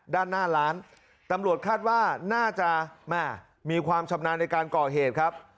ด้านหน้าร้านตำรวจคาดว่าน่าจะแม่มีความชำนาญในการก่อเหตุครับ